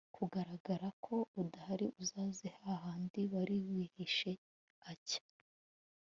kugaragara ko udahari Uzaze ha handi wari wihishe a cya